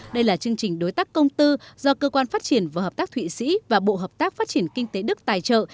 đây là chương trình đối tác công tư do cơ quan phát triển và hợp tác thụy sĩ và bộ hợp tác phát triển kinh tế đức tài trợ